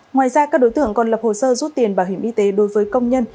ngoài ra các đối tượng còn lập hồ sơ rút tiền bảo hiểm y tế đối với công nhân